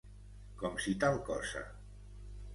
Com si tal cosa.